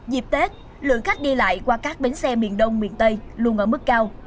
dịp tết lượng khách đi lại qua các bến xe miền đông miền tây luôn ở mức cao